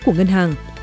của ngân hàng